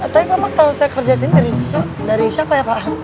tapi kamu tau saya kerja sendiri dari siapa ya pak